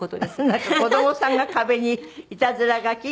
なんか子供さんが壁にいたずら書き？